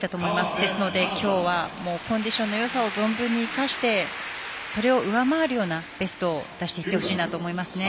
ですのできょうはコンディションのよさを存分に生かしてそれを上回るようなベストを出していってほしいなと思いますね。